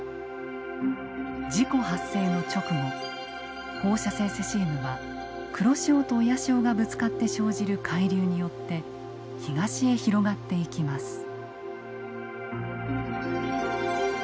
事故発生の直後放射性セシウムは黒潮が親潮とぶつかって生じる海流によって東へ広がっていきます。